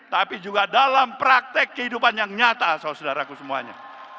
tapi juga dalam praktek kehidupan yang nyata saudara saudaraku semuanya